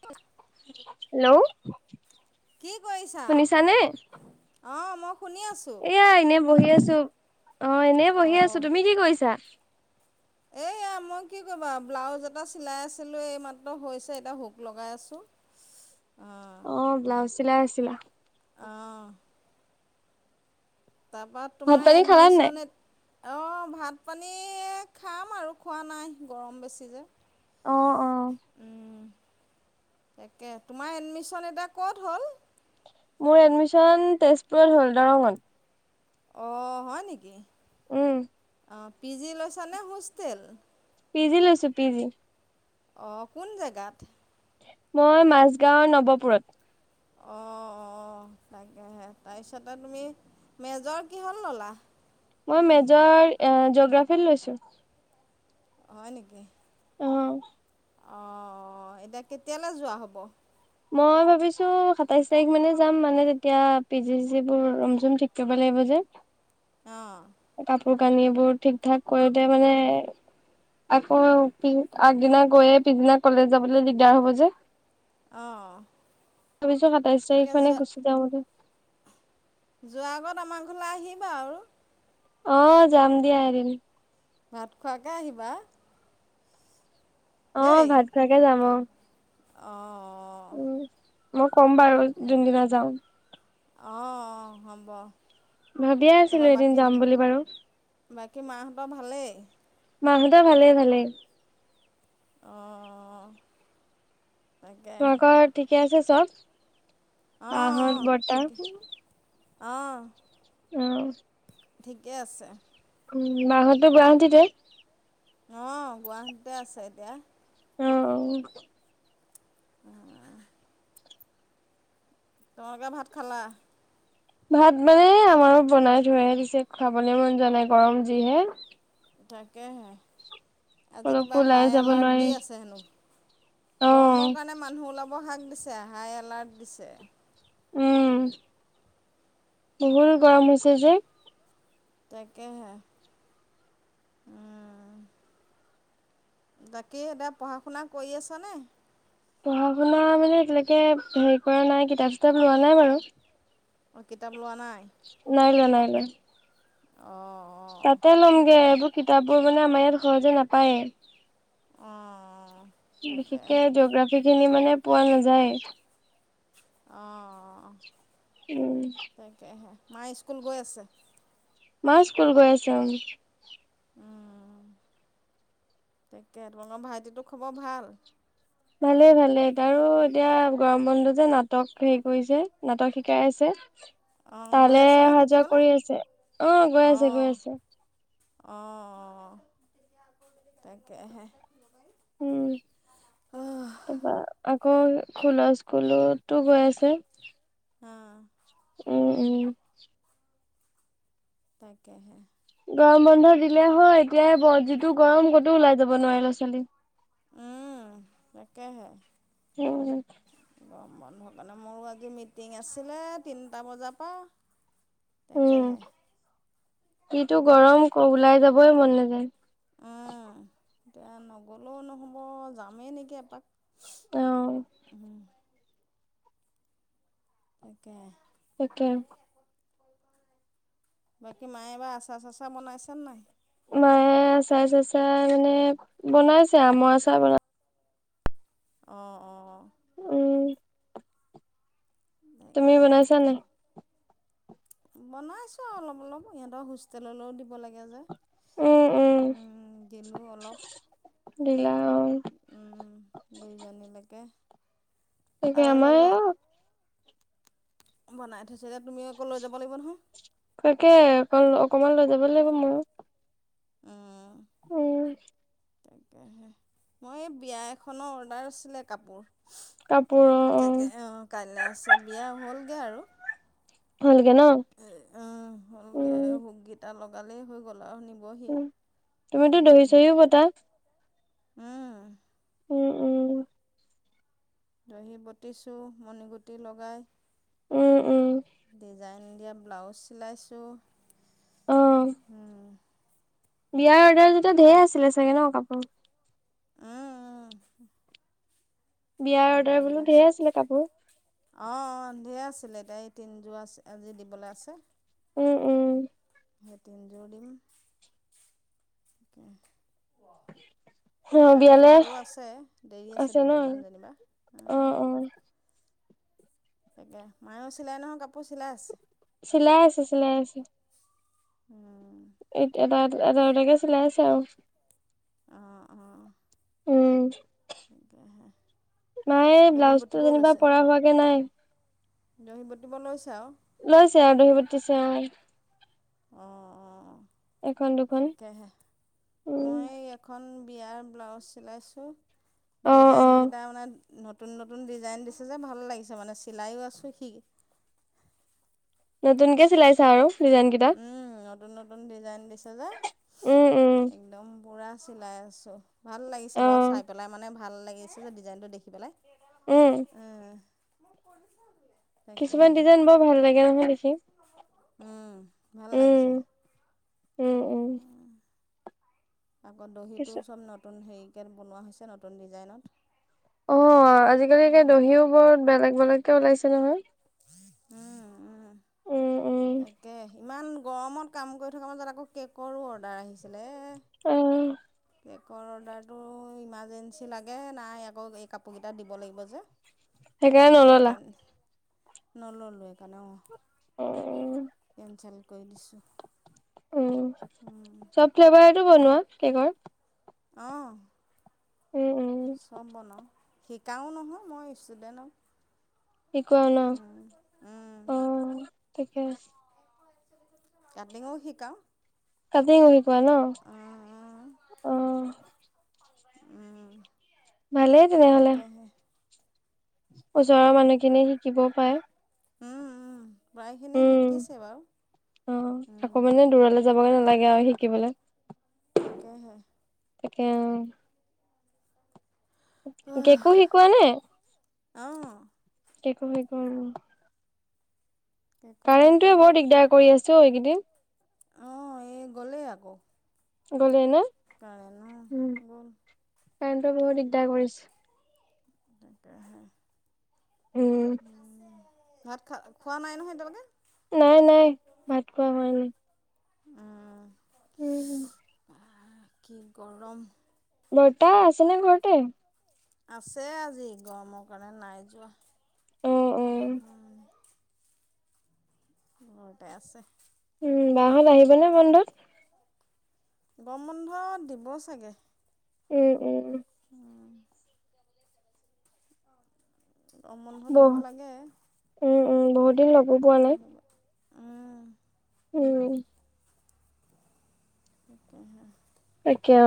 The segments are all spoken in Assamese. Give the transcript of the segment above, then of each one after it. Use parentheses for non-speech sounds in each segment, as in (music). পু (inaudible) হেল্ল'! কি কৰিছা? শুনিছানে? অঁ মই শুনি আছোঁ। এয়া এনেই বহি আছো, অ এনে বহি আছো। অঁ, তুমি কি কৰিছা? এইয়া মই কি কৰিবা ব্লাউজ এটা চিলাই আছিলো এইমাত্ৰ হৈছে এটা হোক লগাই আছো। অ। অ ব্লাউজ চিলাই আছিলা। অঁ তাৰপা ভাত তোমাৰ পানী খালা নাই? এডমিশন অঁ ভাত পানী খাম আৰু খোৱা নাই গৰম বেছি যে। অহ অহ। উম, তাকে তোমাৰ এডমিচন এতিয়া ক'ত হ'ল? মোৰ এডমিশন তেজপুৰত হ'ল দৰঙত। অ হয় নিকি? উম। অ পি জি লৈছা নে হোষ্টেল? পি জি লৈছো পি জি। অ কোন জেগাত? মই মাজগাঁও নৱপুৰত। অ অ। তাকেহে তাৰপিছতে তুমি মেজৰ কিহত ল'লা? মই মেজৰ এ জগ্ৰাফী লৈছো। হয় নেকি? অ। অ এতিয়া কেতিয়ালৈ যোৱা হ'ব? মই ভাবিছোঁ সাতাইছ তাৰিখ মানে যাম মানে তেতিয়া পি জি চি চিবোৰ ৰুম চুম ঠিক কৰিব লাগিব যে। আহ। কোৰ কানীবোৰ ঠিক ঠাক কৰোতে মানে (unintelligible) আকৌ আগদিনা গৈয়ে পিছদিনা কলেজ যাবলৈ দিগদাৰ হব যে। অঁ ভাবিছো সাতাইছ তাকে তাৰিখমানে গুচি যাওঁ বুলি। যোৱা আগত আমাৰ ঘৰলৈ আহিবা আৰু? অ যাম দিয়া এদিন। ভাত খোৱাকে আহিবা? অ ভাত খোৱাকে যাম অ। অ অ। উম মই কম বাৰু যোনদিনা যাও। অ অ হব। ভাবিয়ে আছিলো তাৰপৰা এদিন বাকী যাম বুলি বাৰু বাকী মাহঁতৰ ভালেই? মাহতৰ ভালে ভালে। অঁ। তাকে তুমাকৰ ঠিকে আছে চব বাহত, বৰ্তা? অ। আহ। ঠিকে আছে। উম মাহতো গুৱাহাটীতে? অ গুৱাহাটীতে আছে এতিয়া। অ অ। আহ। তোমোলোকে ভাত খালা? ভাত মানে আমাৰো বনাই থোৱহে পিছে খাবলৈ মন যোৱা নাই গৰম যিহে। তাকেহে আজি কলৈকো কিবা ওলাই হাই যাব এলাৰ্ট দি নোৱাৰি আছে হেনো অ গৰমৰ কাৰণে মানুহ ওলাব শাক দি হাই এলাৰ্ট দিছে। উম বহুতো গৰম হৈছে যে তাকেহে উম তাকে সেয়া পঢ়া শুনা কৰি আছ নে। পঢ়া শুনা মানে এতিয়ালৈকে হেৰি কৰা নাই কিতাপ চিতাপ লোৱা নাই বাৰু অ কিতাপ লোৱা নাই। খালো। অঁ অঁ তাতে ল'মগে তাকে এইবোৰ কিতাপবোৰ মানে আমাৰ ইয়াত সহজে নাপায়। অঁ তাকে বিশেষকে জঅগ্ৰাফি খিনি মানে পোৱা নাযায়। আহ উম মায়ে স্কুল গৈ আছে। মা স্কুল গৈ আছো উম। অউ, তাকে ত আঙৰ ভাইটিটো খবৰ ভাল। ভালে ভালেই তাৰো এতিয়া গৰম বন্ধ যে নাটক হেৰি কৰিছে নাটক শিকাই আছে। অঁ গৈ তালৈ আছেনে অহা যোৱা শিকিবলৈ কৰি আছে অ গৈ আছে গৈ আছে। আহ তাকেহে উম হা তাৰপা আকৌ খোলা স্কুলতো গৈ আছে। অ উম উম তাকেহে গৰম বন্ধ দিলে হয়। এতিয়াই যিটো গৰম ক'তো ওলাই যাব নোৱাৰি ল'ৰা ছোৱালী উম তাকে হে উ গৰম বন্ধ কাৰণে মোৰো আজি মিটিং আছিলে। তিনিটা বজাৰ পা। উম যিটো যাম গৰম ওলাই যাবই মন নেযায়। এতিয়া নগ'লেও নহ'ব যামেই নেকি এপাক অ'। উম তাকে তাকে বাকী মায়ে এইবাৰ আচা চাচা বনাইছে নাই মায়ে আচাৰ চাচাই মানে বনাইছে আমৰ আচাৰ বনাই অ অ উম তুমি তাকেহে বনাইছা নাই বনাইছোঁ অলপ অলপ ইিহঁতক হোষ্টেললৈও দিব লাগে যে। উম, উম, দিলো অলপ। দিলা অ', উম দুইজনীলৈকে তাকে আৰু আমাৰ অলপ বনাই থৈছ এতিয়া তুমি আকৌ লৈ যাব লাগিব নহয়। তাকে অ অকমান লৈ যাব লাগিব ময়ো উ মই এই বিয়া এখনৰ অৰ্ডাৰ আছিলে কাপোৰ। কাপোৰ অ', তাকে অ কাইলৈ আছে বিয়া হ'লগে আৰু সলগে ন উম কালিএই হৈ গ'ল আৰু নিবহি উ তুমিতো দহি চহিও বতা উম উম, উম, দহি বটিছো মণিগুটি লগাই উম, উম, ডিজাইন এতিয়া ব্লাউজ চিলাইছো। অ'। বিয়াৰ অৰ্ডাৰ দিয়োতে ঢেৰ আছিলে চাগে ন কাপোৰ। উম উম বিয়াৰ অৰ্ডাৰ বোলো ধেৰ আছিলে কাপোৰ অ ধেৰ আছিলে এতিয়া এই তিনিজোৰ আজি দিবলৈ আছে উম উম এতিয়া তিনিযোৰ দিম অ তাৰপিছত বিয়ালে আৰু আছে দেৰি আছে দুদিনমান যেনিবা অ অ তাকে মায়েও চিলাই নহয় কাপোৰ চিলাই আছে চিলাই আছে চিলাই আছে উম এ এটা এটাকে চিলাই আছে আৰু অহ অহ উম তেকেহে মায়ে ব্লাউজ টো যেনিবা পৰা হোৱাকে নাই দহি বতিব লৈছো আৰু লৈছে আৰু দহি বাতিছে অ অঁ অঁ এখন দুখন তাকেহে উম মই এখন বিয়াৰ ব্লাউজ চিলাইছোঁ অ অ ডিজাইনকেইটা মানে নতুন নতুন ডিজাইন দিছে যে ভাল লাগিছে মানে চিলাইো আছোঁ সি নতুনকে চিলাইছা আৰু ডিজাইন কেইটা উম নতুন নতুন ডিজাইন দিছে যে উম উম একদম পুৰা চিলাই আছোঁ ভাল লাগিছে অ বাৰু চাই পেলাই মানে ভাল লাগিছিল ডিজাইনটো দেখি পেলাই উম মোক পঢ়িব দিয়া কিছুমান ডিজাইন বৰ ভাল লাগে নহয় দেখি উম, ভাল উম লাগিছে উম উম উ আকৌ কিছু দহিটো চব নতুন হেৰিকৈ বনোৱা হৈছে নতুন ডিজাইনত অ আজিকালিে দহিও বহুত বেলেগ বেলেগকে ওলাইছে নহয় উম, উম। উম উম তাকে ইমান গৰমত কাম কৰি থকাৰ মাজত আকৌ কেকৰো অৰ্ডাৰ আহিছিলে অ কেকৰ অৰ্ডাৰটো ইমাৰ্জেঞ্চি লাগে নাই আকৌ এই কাপোৰকেইটা দিব লাগিব যে (unintelligible) সেইকাৰণে কেন নললো সেইকাৰণে অ উম কেনচেল কৰি দিছো উ চব ফ্লেভাৰেটো বনোৱা কেকৰ অ'হ উম উম চব বনাওঁ শিকাওঁও নহয় মই ষ্টুডেণ্টক শিকোৱা ন উম, উম, অ তাকে কাটিঙো শিকাওঁ কাটিঙ শিকোৱা ন উম, উম, অহ উম ভালে তেনেহ'লে তাকেহে ওচৰৰ মানুহখিনিয় শিকিবও পায় উম উমহ প্ৰায়খিনি শিকিছে বাৰু যাবগে নালাগে আৰু শিকিবলৈ তাকেহে তাকে। গেকো শিকোৱা নে অঁ গেকো শিকোৱা কেকো কাৰেণ্টোৱে শিকাওঁ বৰ দিগদাৰ কৰি আছে অ এইকেইদিন অঁ এই গ'লেই আকৌ গলেই ন কাৰেণ্টো নোগল কাৰেণ্ট বহুত দিগদাৰ কৰিছে উম (unintelligible) (inaudible) ভাত খা খোৱা নাই নহয় এতিয়ালোকে নাই নাই ভাত খোৱা হোৱা নাই উম উম হম কি গৰম বৰটা আছেনে ঘৰতে আছে আজি গৰমৰ কাৰণে নাই যোৱা অ অ উ ঘৰতে আছে উম বা হত আহিবনে বন্ধত গৰম বন্ধ দিব চাগে উম উম উ গৰম বন্ধ দিব বহ লাগে উম উম বহুত দিন লগো পোৱা নাই আহিবা উম (unintelligible) (inaudible) কিয়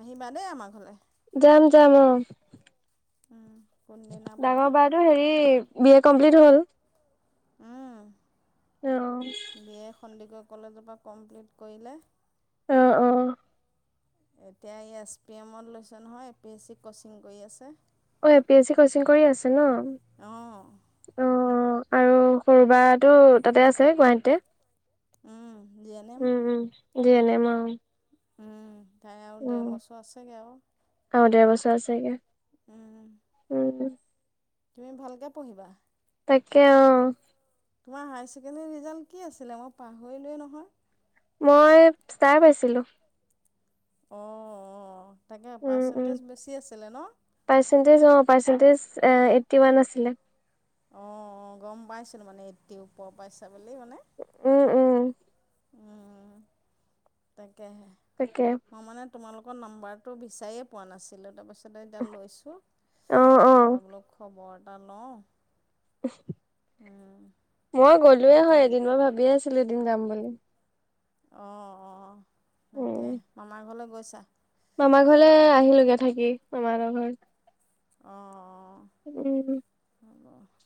আহিবা দেই আমাৰ ঘৰলে যাম যাম অ উম ডাঙৰ বাৰ টো হেৰি বি এ কমপ্লিট হ'ল (unintelligible) উম (unintelligible) আহ। সন্দিকৈ কলেজৰ পৰা কমপ্লিট কৰিলে। অ অ। এতিয়া এই এছ পি এমত লৈছে নহয়, A P S C coaching কৰি আছে। অ এ পি এইচি কচিং কৰি আছে ন? অহ। অ আৰু সৰু বা টো তাতে আছে গুৱাহাটীতে উম যিয়েনেম যেনে মা উম তাই আৰু দেৰ বছৰ আছেগে আৰু হয় চাগে উম তুমি ভালকে পঢ়িবা তাকে অ তোমাৰ হায়াৰ ছেকেণ্ডেৰী ৰিজাল্ট কি আছিলে মই পাহৰিলোৱেই নহয় মই ষ্টাৰ পাইছিলো অ অ তাকে উম, উম। পাৰ্চেণ্টেজ বেছি আছিলে ন (unintelligible) পানদিছ এ এইটি উৱান আছিলে (unintelligible) অ গম পাইছিলো মানে এইটি ওপৰ পাইছা বুলি মানে উম উম তাকেহে তাকে। মই মানে তোমালোক আকৌ নাম্বাৰটো বিচাৰিয়ে পোৱা নাছিলো তাৰপিছত তাৰছতে এতিয়া অ', অ'। লৈছোঁ তাৰপৰা বোলো খবৰ এটা লওঁ (unintelligible) উম, মই গলোয়ে তাকে হয় এদিন মই ভাবি আছো এদিন যাম বুলি অ অ উম, তাকে মামাৰ ঘৰলৈ গৈছা মামাৰ ঘৰলে আহিলোগে থাকি, মামা হতৰ ঘৰত। উম।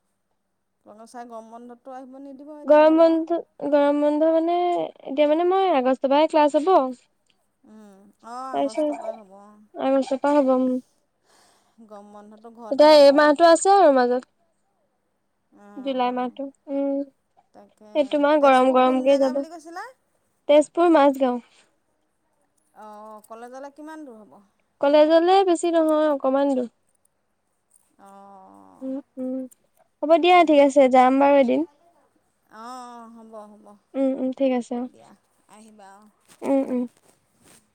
(inaudible) তনোচাই গম বন্ধটো আহিব নিদিব এতিয়া গৰম গ'লে আৰু বন্ধ গৰম বন্ধ মানে এতিয়া মানে মই আগষ্ট পাই ক্লাছ হব। উম, অঁ তাৰছত আগষ্টৰ পৰাই হ'ব অঁ আগষ্ট পা হব উম্। গৰম বন্ধ। এতিয়া এই মাহতো আছে আৰু মাজত। জুলাই অঁ মাহটো, উম তাকে সেইটো মাহ গৰম তেজপুৰ কোন গৰমকে জেগা যাব। বুলি কৈছিলা তেজপুৰ মাজগাঁও। অ কলেজলে কিমান দূৰ হ'ব? কলেজলে বেছি নহয় অকমান দূৰ। উ অঁ উম হ'ব দিয়া ঠিক আছে যাম বাৰু এদিন। অ হ'ব হ'ব উম উম ঠিক আছে অ দিয়া আহিবা অ উম উম (unintelligible) (inaudible)